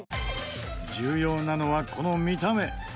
重要なのはこの見た目。